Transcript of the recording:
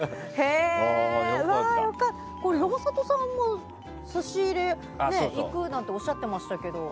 これ、山里さんは差し入れ行くなんておっしゃっていましたけど。